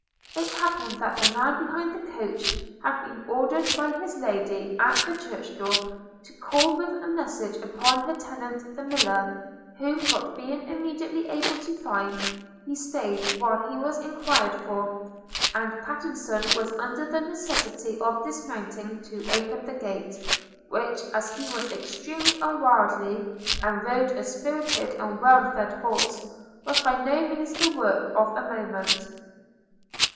It happened that the man behind the coach had been ordered by his Lady, at the churchdoor, to call with a message upon her tenant, the miller, whom not being immediately able to find, he staid while he was enquired for; and Pattenson was under the necessity of dismounting to open the gate, which, as he was extremely unwieldy, and rode a spirited and well fed horse, was by no means the work of a moment.